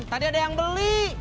tadi ada yang beli